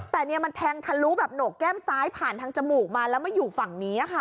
แต่เนี่ยมันแทงทะลุแบบโหนกแก้มซ้ายผ่านทางจมูกมาแล้วมาอยู่ฝั่งนี้ค่ะ